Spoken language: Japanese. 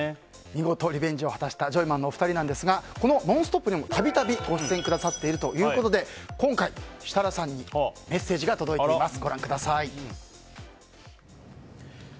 見事、リベンジを果たしたジョイマンのお二人ですがこの「ノンストップ！」でも度々、ご出演くださってるということで今回、設楽さんにメッセージが届いています。